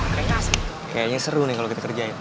kayaknya seru nih kalau kita kerjain